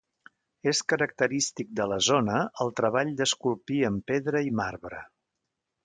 És característic de la zona el treball d'esculpir en pedra i marbre.